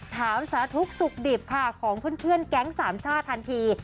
สาธุสุขดิบค่ะของเพื่อนแก๊งสามชาติทันที